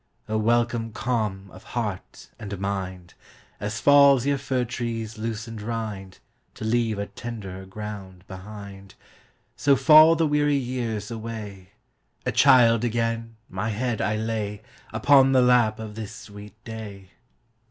O welcome calm of heart and mind! As falls yon fir tree's loosened rindTo leave a tenderer growth behind, So fall the weary years away;A child again, my head I layUpon the lap of this sweet day.